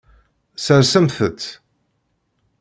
Sersemt-t.